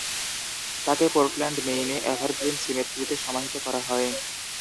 তাকে পোর্টল্যান্ড, মেইনে এভারগ্রিন সিমেট্রিতে সমাহিত করা হয়।